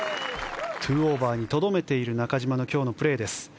２オーバーにとどめている中島の今日のプレーです。